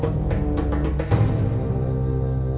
ที่สุดท้ายที่สุดท้าย